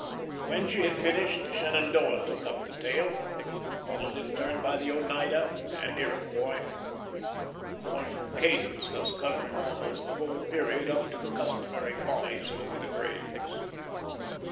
When she had finished, the Shenandoah took up the tale, followed in turn by the Oneida and Iroquois, the mournful cadence thus covering almost the whole period up to the customary volleys over the graves.